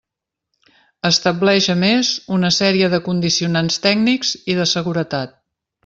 Estableix a més una sèrie de condicionants tècnics i de seguretat.